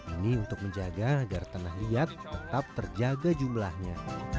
ini untuk menjaga agar tanah liat tetap terjaga jumlahnya